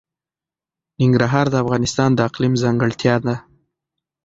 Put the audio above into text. ننګرهار د افغانستان د اقلیم ځانګړتیا ده.